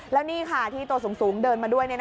แล้วนี่ค่ะที่ตัวสูงเดินมาด้วย